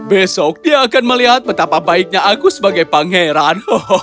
besok dia akan melihat betapa baiknya aku sebagai pangeran